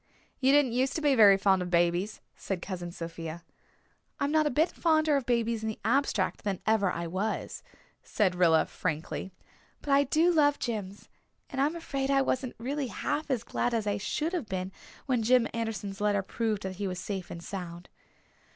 "You didn't used to be very fond of babies," said Cousin Sophia. "I'm not a bit fonder of babies in the abstract than ever I was," said Rilla, frankly. "But I do love Jims, and I'm afraid I wasn't really half as glad as I should have been when Jim Anderson's letter proved that he was safe and sound."